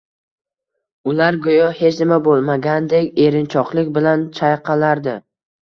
Ular go`yo hech nima bo`lmagandek erinchoqlik bilan chayqalardi